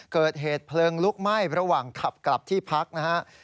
เกิดเหตุเพลิงลุกไหม้ระหว่างขับกลับที่พักนะฮะ